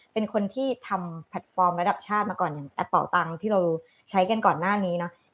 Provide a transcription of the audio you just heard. เป็นคนที่ทำแพลตฟอร์มระดับชาติมาก่อนอย่างแอปเป่าตังค์ที่เราใช้กันก่อนหน้านี้เนาะ